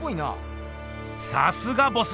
さすがボス！